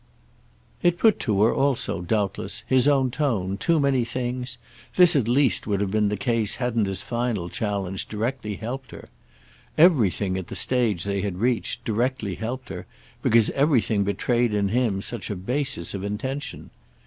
It put to her also, doubtless, his own tone, too many things, this at least would have been the case hadn't his final challenge directly helped her. Everything, at the stage they had reached, directly helped her, because everything betrayed in him such a basis of intention.